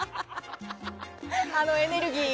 あのエネルギー。